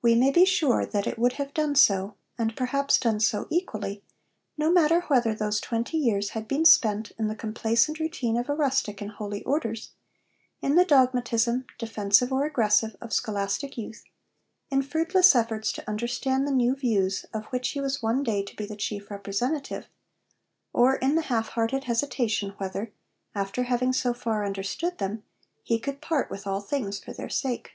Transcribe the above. We may be sure that it would have done so (and perhaps done so equally), no matter whether those twenty years had been spent in the complacent routine of a rustic in holy orders; in the dogmatism, defensive or aggressive, of scholastic youth; in fruitless efforts to understand the new views of which he was one day to be the chief representative; or in half hearted hesitation whether, after having so far understood them, he could part with all things for their sake.